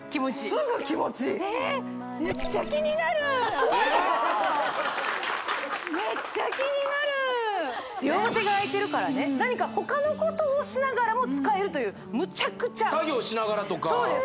すぐ気持ちいいめっちゃキニナル両手が空いてるからね何か他のことをしながらも使えるというむちゃくちゃ作業しながらとかそうです